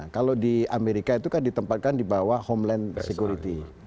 kalau di amerika itu kan ditempatkan di bawah homeland security